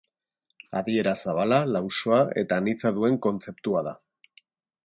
Adiera zabala, lausoa eta anitza duen kontzeptua da.